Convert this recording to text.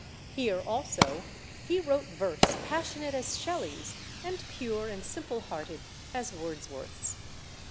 Here also he wrote verse passionate as Shelley's and pure and simple hearted as Wordsworth's.